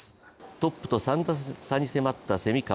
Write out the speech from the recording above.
トップと３打差に迫った蝉川。